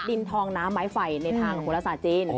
ดินทองน้ำไม้ไฟในทางภูราษาจีน